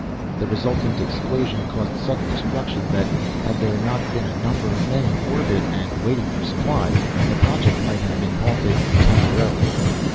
The resultant explosion caused such destruction that, had there not been a number of men in orbit and waiting for supplies, the project might have been halted, "temporarily."